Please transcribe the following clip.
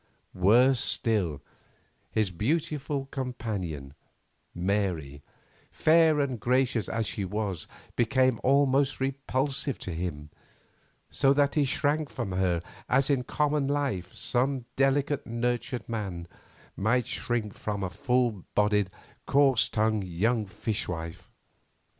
Worse still, his beautiful companion, Mary, fair and gracious as she was, became almost repulsive to him, so that he shrank from her as in common life some delicate nurtured man might shrink from a full bodied, coarse tongued young fishwife.